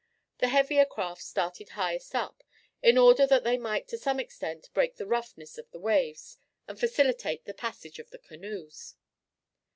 The heavier craft started highest up, in order that they might to some extent break the roughness of the waves and facilitate the passage of the canoes.